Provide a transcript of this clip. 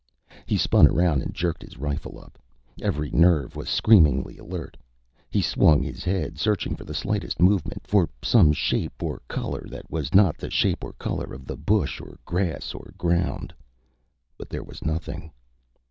He spun around and jerked his rifle up. Every nerve was screamingly alert. He swung his head, searching for the slightest movement, for some shape or color that was not the shape or color of the bush or grass or ground. But there was nothing.